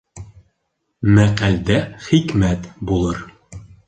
Мәҡәлдә хикмәт булыр.